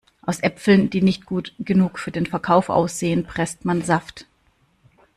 Aus Äpfeln, die nicht gut genug für den Verkauf aussehen, presst man Saft.